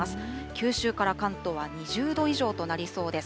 九州から関東は２０度以上となりそうです。